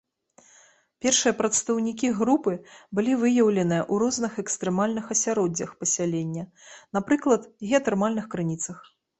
Першыя прадстаўнікі групы былі выяўленыя ў розных экстрэмальных асяроддзях пасялення, напрыклад геатэрмальных крыніцах.